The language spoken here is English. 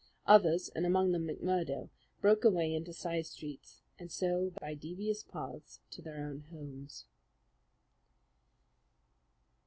Others, and among them McMurdo, broke away into side streets, and so by devious paths to their own homes.